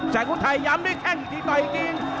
แสงอุทัยย้ำด้วยแข้งอีกทีต่ออีกที